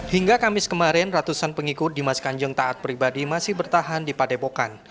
hingga kamis kemarin ratusan pengikut dimas kanjeng taat pribadi masih bertahan di padepokan